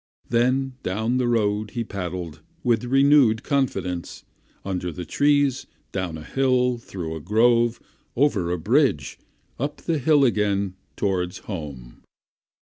Then down the road he paddled with renewed confidence: under the trees, down a hill, through a grove, over a bridge, up the hill again toward home.